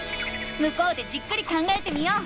向こうでじっくり考えてみよう。